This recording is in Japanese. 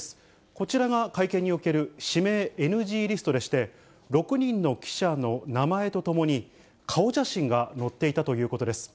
こちらが会見における指名ＮＧリストでして、６人の記者の名前とともに、顔写真が載っていたということです。